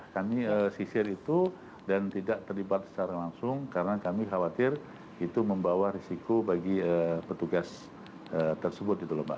kami sisir itu dan tidak terlibat secara langsung karena kami khawatir itu membawa risiko bagi petugas tersebut